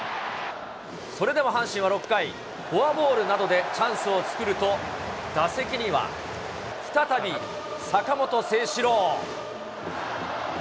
それでも阪神は６回、フォアボールなどでチャンスを作ると、打席には、再び坂本誠志郎。